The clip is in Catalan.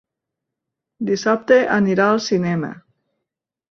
Dissabte anirà al cinema.